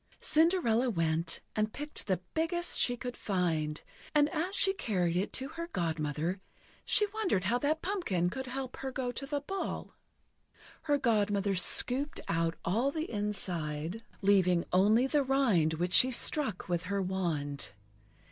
Cinderella went, and picked the biggest she could find; and as she carried it to her Godmother, she wondered how that pumpkin could help her go to the ball. Her Godmother scooped out all the inside, leaving only the rind which she struck with her wand.